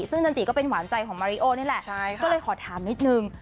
ซึ่งจันจิก็เป็นหวานใจของมาริโอนี่แหละก็เลยขอถามนิดนึง